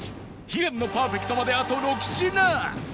悲願のパーフェクトまであと６品！